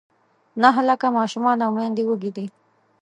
نهه لاکه ماشومان او میندې وږې دي.